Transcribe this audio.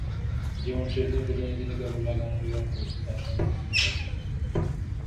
জীবনের শেষ দিন পর্যন্ত তিনি কেবল গান-ই লালন করেছেন তার হৃদয়ে।